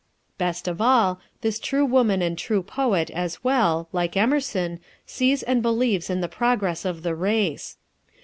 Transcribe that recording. Best of all, this true woman and true poet as well, like Emerson, sees and believes in the progress of the race.